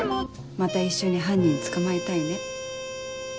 また一緒に犯人捕まえたいね。